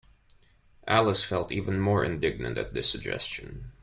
Alice felt even more indignant at this suggestion.